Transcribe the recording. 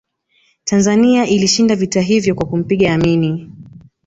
tanzania ilishinda vita hivyo kwa kumpiga amini